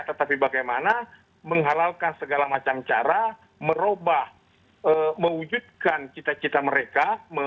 tetapi bagaimana menghalalkan segala macam cara merubah mewujudkan cita cita mereka